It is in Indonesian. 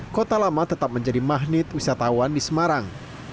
kota lama tetap menjadi magnet wisatawan di semarang